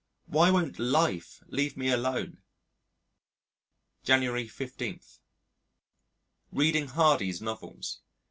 Why won't Life leave me alone? January 15. Reading Hardy's novels.